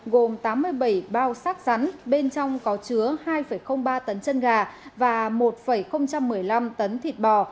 gồm tám mươi bảy bao xác rắn bên trong có chứa hai ba tấn chân gà và một một mươi năm tấn thịt bò